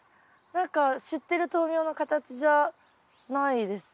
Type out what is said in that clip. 何か知ってる豆苗の形じゃないですよね。